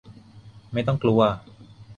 ไม่ต้องกลัว !